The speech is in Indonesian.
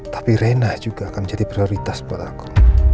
tapi rena juga akan menjadi prioritas buat aku